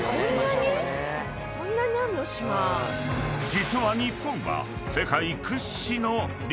［実は日本は］